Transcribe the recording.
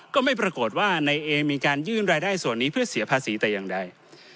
ก็ไม่ปรากฏว่านายเอมีการยื่นรายได้ส่วนนี้เพื่อเสียภาษีแต่อย่างใด